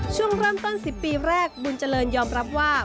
ช่วงเริ่มต้น๑๐ปีแรกบุญเจริญยอมรับว่า